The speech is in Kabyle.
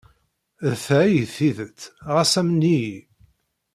D ta ay d tidet, ɣas amen-iyi!